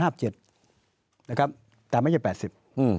หรือครับแต่ไม่ใช่๘๐อืม